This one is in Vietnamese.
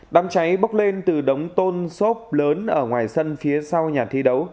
đám cháy bốc lên từ đống tôn xốp lớn ở ngoài sân phía sau nhà thi đấu